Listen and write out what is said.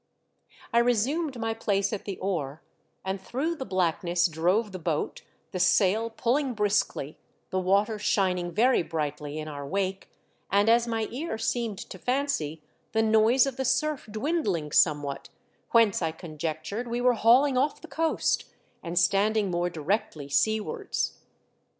I resumed my place at the oar, and through the blackness drove the boat, the sail pulling briskly, the water shining very brightly in our wake, and, as my ear seemed to fancy, the noise of the surf dwindling somewhat, whence I conjectured we were hauling off the coast and standing more directly seawards.